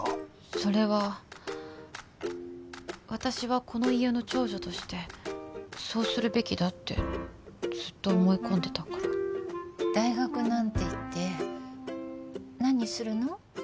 それは私はこの家の長女としてそうするべきだってずっと思い込んでたから大学なんて行って何するの？